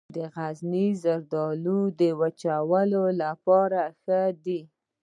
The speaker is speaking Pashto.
د غزني زردالو د وچولو لپاره ښه دي.